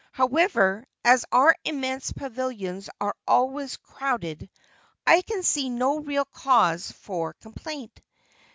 However, as our immense pavilions are always crowded, I can see no real cause for complaint.